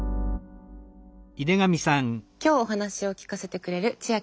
今日お話を聞かせてくれるチアキさんです。